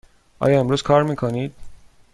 آیا امروز کار می کنید؟